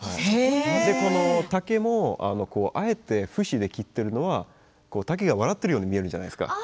この竹もあえて節で切っているのは竹が笑っているように見えるじゃないですか。